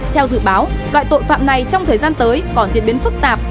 theo dự báo loại tội phạm này trong thời gian tới còn diễn biến phức tạp